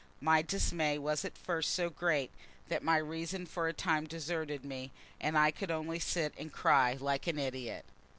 My dismay was at first so great that my reason for a time deserted me, and I could only sit and cry like an idiot.